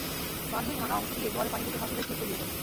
বাঁধের ভাঙা অংশ দিয়ে জোয়ারের পানি ঢুকে ফসলের খেত তলিয়ে যায়।